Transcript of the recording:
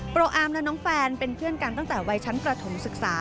อาร์มและน้องแฟนเป็นเพื่อนกันตั้งแต่วัยชั้นประถมศึกษา